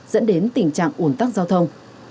dẫn đến tình trạng ôn tắc giao thông